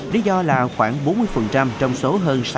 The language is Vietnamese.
lý do là khoảng bốn mươi trong số hơn